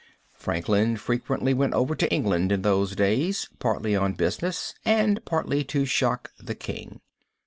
Franklin frequently went over to England in those days, partly on business, and partly to shock the king.